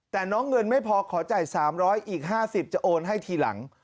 แต่น้องเงินไม่พอขอจ่าย๓๐๐อีก๕๐จะโอนให้ทีหลัง